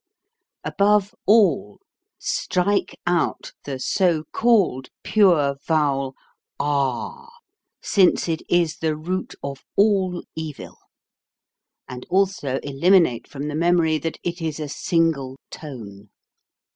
Above all strike out the so called pure vowel afi since it is the root of all evil and also eliminate from the memory that it is a single tone.